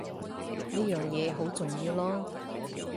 呢樣嘢好重要囉